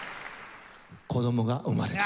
子供が生まれた。